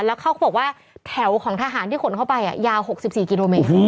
แล้วเขาก็บอกว่าแถวของทหารที่ขนเข้าไปยาว๖๔กิโลเมตร